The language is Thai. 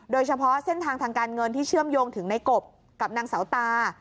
โดยเฉพาะเส้นทางทางการเงินที่เชื่อมโยงถึงในกบกับนางเสาตา